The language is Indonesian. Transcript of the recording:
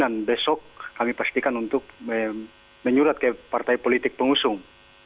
dan besok kami pastikan untuk menyurat ke partai politik pengusung